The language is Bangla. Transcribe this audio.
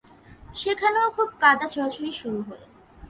সেখানেও খুব কাদা ছোঁড়াছুঁড়ি শুরু হলো।